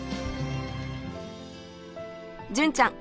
純ちゃん